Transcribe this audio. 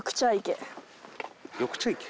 緑茶池？